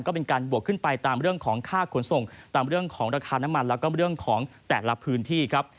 ก็เป็นการบวกขึ้นไปตามเรื่องของค่าขนส่งตามเรื่องของราคาน้ำมันแล้วก็เรื่องของแต่ละพื้นที่ครับ